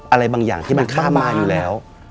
อะไรบางอย่างข้ามมาอยู่แล้ว